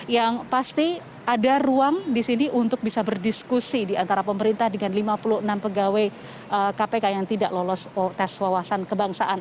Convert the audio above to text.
yang pasti ada ruang di sini untuk bisa berdiskusi di antara pemerintah dengan lima puluh enam pegawai kpk yang tidak lolos tes wawasan kebangsaan